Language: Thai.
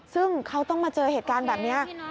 ซึ่งเขาต้องมาเจอเหตุการณ์แบบนี้